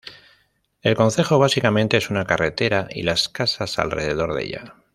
El concejo básicamente es una carretera y las casas alrededor de ella.